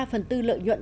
lợi nhuận ra nông dân